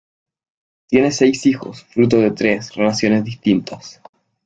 Tiene seis hijos fruto de tres relaciones distintas.